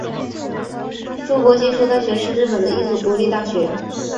筑波技术大学是日本的一所国立大学。